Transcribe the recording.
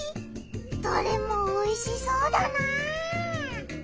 どれもおいしそうだな！